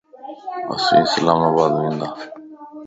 اسين اسلام آباد ونداسين